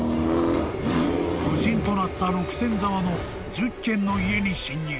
［無人となった六線沢の１０軒の家に侵入］